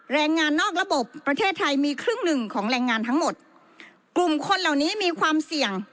แรงงานนอกระบบประเทศไทยมีครึ่งหนึ่งของแรงงานทั้งหมดกลุ่มคนเหล่านี้มีความเสี่ยง